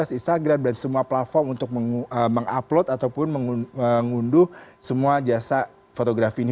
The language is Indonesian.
instagram dan semua platform untuk mengupload ataupun mengunduh semua jasa fotografi ini